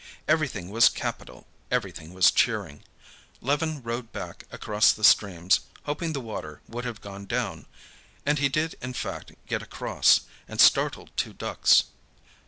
Everything was capital, everything was cheering. Levin rode back across the streams, hoping the water would have gone down. And he did in fact get across, and startled two ducks.